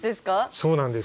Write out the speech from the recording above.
そうなんです。